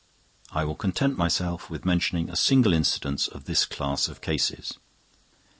I will content myself with mentioning a single instance of this class of cases.